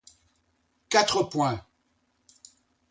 Quatre points.